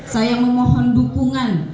saya memohon dukungan